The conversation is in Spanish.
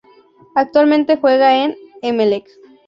Actualmente juega en Emelec.